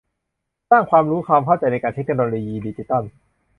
สร้างความรู้ความเข้าใจการใช้เทคโนโลยีดิจิทัล